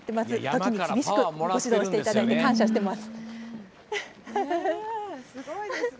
時に厳しくご指導していただいて感謝しています。